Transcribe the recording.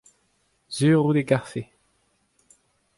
sur out e karfe.